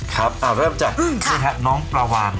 ครับเริ่มจากน้องปลาวาน